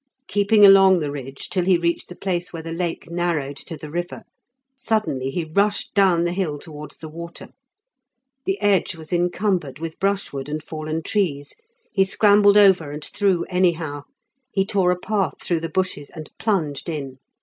Keeping along the ridge till he reached the place where the lake narrowed to the river, suddenly he rushed down the hill towards the water. The edge was encumbered with brushwood and fallen trees; he scrambled over and through anyhow; he tore a path through the bushes and plunged in.